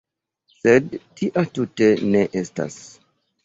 Sed tia tute ne estas.